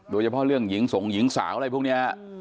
โดยเฉพาะเรื่องหญิงส่งหญิงสาวอะไรพวกนี้